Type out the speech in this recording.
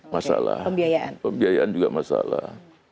masalah pembiayaan juga masalah